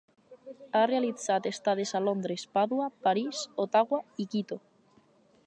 Ha realitzat estades a Londres, Pàdua, París, Ottawa i Quito.